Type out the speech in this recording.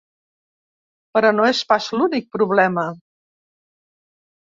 Però no és pas l'únic problema.